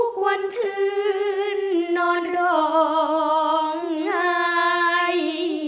กลางพื้นนอนร้องไห้